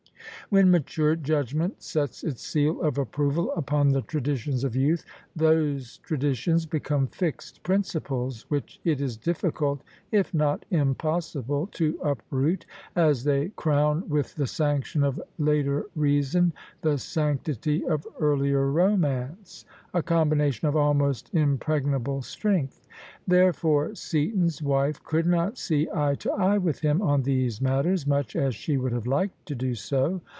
When mature judgment sets its seal of approval upon the traditions of youth, those traditions become fixed principles which it is difficult, if not impossible, to uproot, as they crown with the sanction of later reason the sanctity of earlier romance — b. combination of almost impregnable strength. Therefore Seaton's wife could not see eye to eye with him on these matters, much as she would have liked to do so.